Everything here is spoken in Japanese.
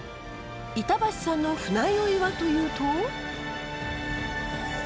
板橋さんの船酔いはというと。